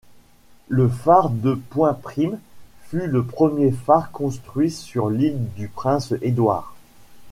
Le phare de Point Prim fut le premier phare construit sur l’Île-du-Prince-Édouard.